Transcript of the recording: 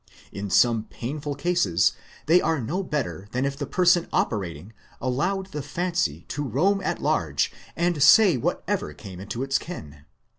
In some painful cases they are no better than if the person operating allowed the fancy to roam at large and say whatever came into its ken.